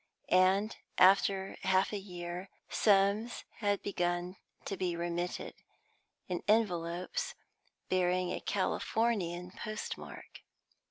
And, after half a year, sums had begun to be remitted, in envelopes bearing a Californian postmark.